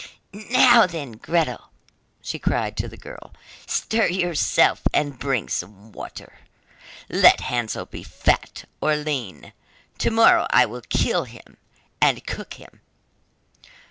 'Now, then, Gretel,' she cried to the girl, 'stir yourself, and bring some water. Let Hansel be fat or lean, tomorrow I will kill him, and cook him.